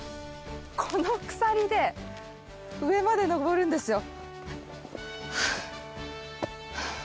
この鎖で上まで登るんですよ。